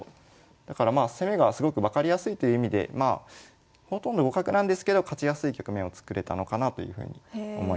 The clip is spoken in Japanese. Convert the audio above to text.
だからまあ攻めがすごく分かりやすいという意味でまあほとんど互角なんですけど勝ちやすい局面を作れたのかなというふうに思います。